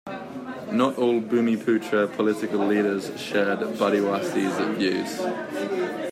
Not all Bumiputra political leaders shared Badawi's views.